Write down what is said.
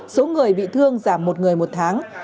số người bị thương giảm một người một tháng